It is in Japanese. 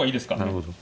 なるほど。